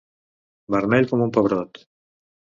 Vermell com un pebrot.